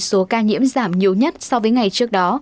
số ca nhiễm giảm nhiều nhất so với ngày trước đó